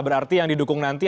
berarti yang didukung nanti